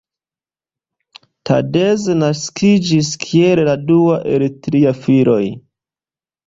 Tadeusz naskiĝis kiel la dua el tri filoj.